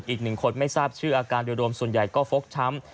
อีกหนึ่งคนไม่ทราบชื่ออาการโดยรวมส่วนใหญ่ก็ฟกช้ำ